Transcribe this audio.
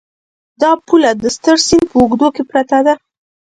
دا پوله د ستر سیند په اوږدو کې پرته ده.